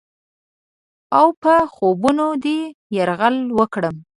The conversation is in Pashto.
اوپه خوبونو دې یرغل وکړم؟